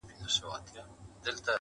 جام دي کم ساقي دي کمه بنګ دي کم!!